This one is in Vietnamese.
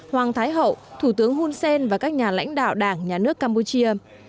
hoàng thái hậu thủ tướng hun sen và các nhà lãnh đạo đảng nhà nước campuchia